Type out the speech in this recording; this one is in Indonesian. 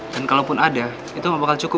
dan kalau pun ada itu gak bakal cukup